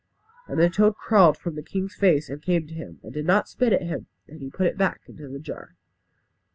And the toad crawled from the king's face and came to him, and did not spit at him; and he put it back into the jar.